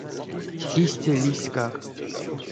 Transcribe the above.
Истя лисськак.